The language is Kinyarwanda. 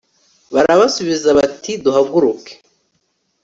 barabasubiza bati duhaguruke